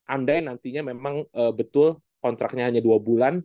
andai nantinya memang betul kontraknya hanya dua bulan